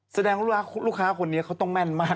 แสดงว่าลูกค้าคนนี้เขาต้องแม่นมาก